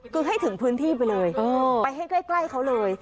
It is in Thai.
ก็ให้ถึงพื้นที่ไปเลยเออไปให้ใกล้ใกล้เขาเลย